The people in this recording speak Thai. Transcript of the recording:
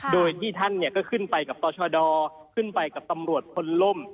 โดยที่ท่านก็ขึ้นไปกับต่อชดขึ้นไปกับตำรวจคนล่ม